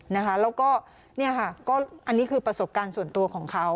แล้วก็เนี่ยค่ะก็อันนี้คือประสบการณ์ส่วนตัวของเขา